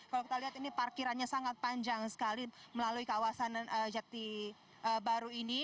kalau kita lihat ini parkirannya sangat panjang sekali melalui kawasan jati baru ini